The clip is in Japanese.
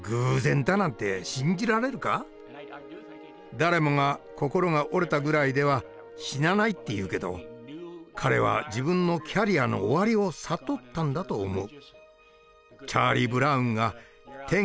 誰もが心が折れたぐらいでは死なないって言うけど彼は自分のキャリアの終わりを悟ったんだと思う。